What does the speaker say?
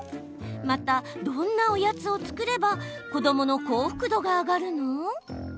また、どんなおやつを作れば子どもの幸福度が上がるの？